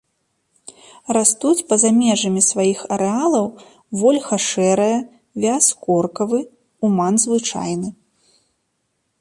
Растуць па-за межамі сваіх арэалаў вольха шэрая, вяз коркавы, уман звычайны.